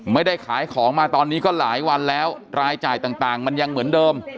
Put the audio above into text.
ไม่ได้ขายของมาตอนนี้ก็หลายวันแล้วรายจ่ายต่างมันยังเหมือนเดิม